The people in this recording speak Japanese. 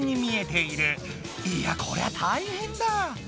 いやこりゃたいへんだ！